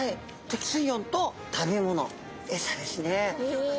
適水温と食べ物エサですね。